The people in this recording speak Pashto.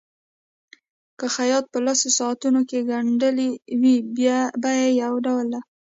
که خیاط په لسو ساعتونو کې ګنډلي وي بیه یو ډول ده.